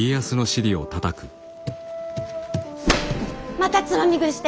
またつまみ食いして！